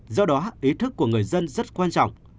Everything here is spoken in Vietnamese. do đó ý thức của người dân rất quan trọng